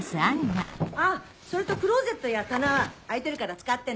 あっそれとクローゼットや棚は空いてるから使ってね。